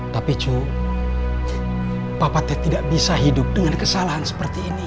tapi cu papa teh tidak bisa hidup dengan kesalahan seperti ini